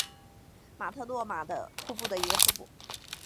马特诺玛瀑布的一个瀑布。